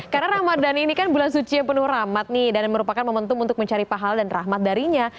karena ramadan ini kan bulan suci yang penuh rahmat nih dan merupakan momentum untuk mencari pahal dan rahmat darinya